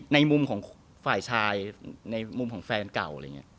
ในมุมของฝ่ายชายในมุมของแฟนเก่า